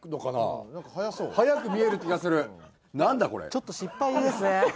ちょっと失敗ですね。